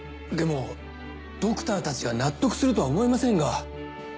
でもドクターたちが納得するとは思えませんが。